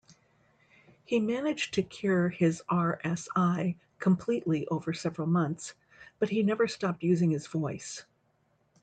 He managed to cure his RSI completely over several months, but he never stopped using his voice.